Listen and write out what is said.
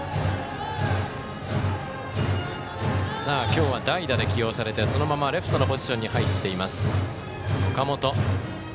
今日は代打で起用されてそのままレフトのポジションに入っています、岡元。